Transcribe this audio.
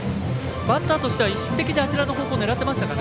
バッターとしては意識的にあちらの方向狙ってましたかね。